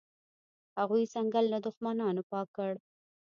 هغوی ځنګل له دښمنانو پاک کړ.